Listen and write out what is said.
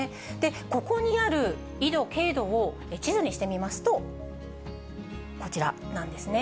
ここにある緯度経度を地図にしてみますと、こちらなんですね。